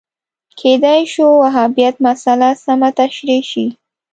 کېدای شو وهابیت مسأله سمه تشریح شي